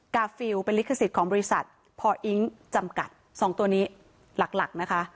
ฟิลเป็นลิขสิทธิ์ของบริษัทพออิ๊งจำกัด๒ตัวนี้หลักหลักนะคะ